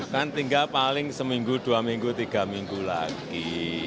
kan tinggal paling seminggu dua minggu tiga minggu lagi